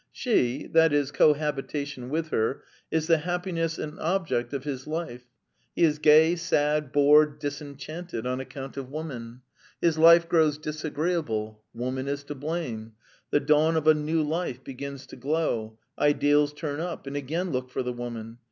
She that is, cohabitation with her is the happiness and object of his life; he is gay, sad, bored, disenchanted on account of woman; his life grows disagreeable woman is to blame; the dawn of a new life begins to glow, ideals turn up and again look for the woman.